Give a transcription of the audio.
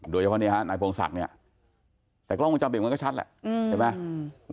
โดยเฉพาะเนี่ยฮะนายพงศักดิ์เนี่ยแต่กล้องวงจรปิดมันก็ชัดแหละใช่ไหม